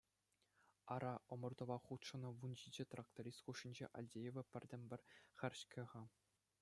Ара, ӑмӑртӑва хутшӑннӑ вунҫичӗ тракторист хушшинче Альдеева пӗртен-пӗр хӗр-ҫке-ха!